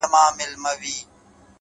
نور مي له ورځي څـخــه بـــد راځـــــــي؛